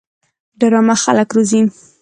ډرامه خلک روزي